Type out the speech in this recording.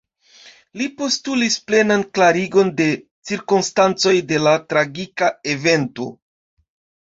Li postulis plenan klarigon de cirkonstancoj de la tragika evento.